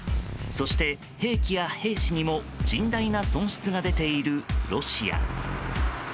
そして、兵器や兵士にも甚大な損失が出ているロシア。